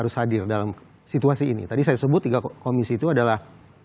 situasi ini tadi saya sebut tiga komisi itu adalah